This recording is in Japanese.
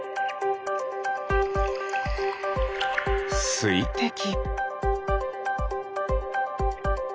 すいてき。